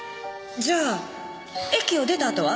じゃあ駅を出たあとは？